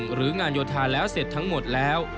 หรืองานโยธาแล้วเสร็จทั้งหมดแล้ว